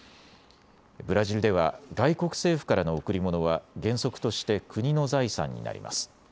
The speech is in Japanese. ブラジルでは外国政府からの贈り物は原則として国の財産になります。